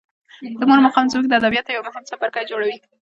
د مور مقام زموږ د ادبیاتو یو مهم څپرکی جوړوي.